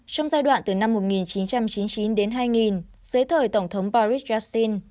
trong giai đoạn từ năm một nghìn chín trăm chín mươi chín đến hai nghìn dưới thời tổng thống paris yassin